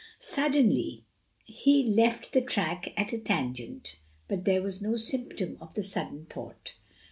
Suddenly he left the track at a tangent; but there was no symptom of the sudden thought.